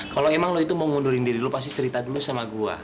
kalau emang lo itu mau ngundurin diri lu pasti cerita dulu sama gue